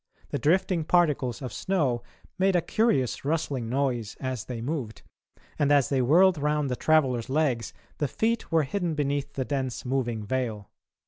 The drifting particles of snow made a curious rustling noise as they moved, and as they whirled round the travellers' legs the feet were hidden beneath the dense moving veil.